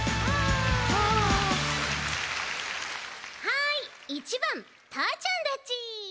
はい１ばんたーちゃんだち。